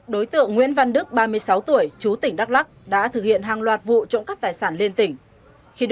đối tượng nguyễn văn đức ba mươi sáu tuổi chú tỉnh đắk lắc đã thực hiện hàng loạt vụ trộm cắp tài sản liên tỉnh